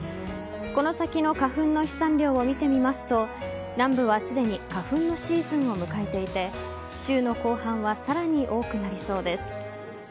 この先の花粉の飛散量を見てみますと南部はすでに花粉のシーズンを迎えていて週の後半はさらに多くなりそうです。